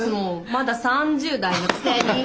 まだ３０代のくせに。